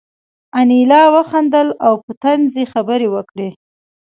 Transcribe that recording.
انیلا وخندل او په طنز یې خبرې وکړې